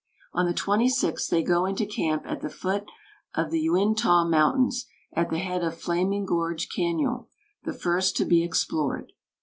On the 26th they go into camp at the foot of the Uintah Mountains, at the head of Flaming Gorge Cañon, the first to be explored.